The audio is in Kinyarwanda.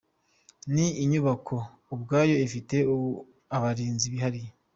Ni inyubako ubwayo ifite abarinzi bihariye.